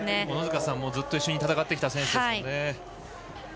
小野塚さんもずっと一緒に戦ってきた選手ですね。